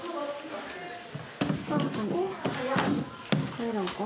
入らんか？